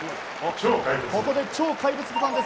ここで、超怪物ボタンです。